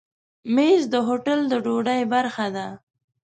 مېز د هوټل د ډوډۍ برخه ده.